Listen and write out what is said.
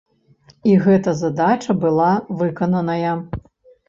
І гэта задача была выкананая.